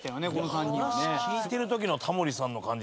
話聞いてるときのタモリさんの感じ